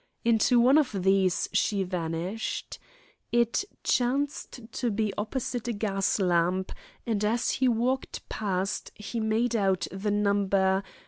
Into one of these she vanished. It chanced to be opposite a gas lamp, and as he walked past he made out the number 37.